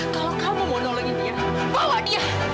kalau kamu mau nolongin dia bawa dia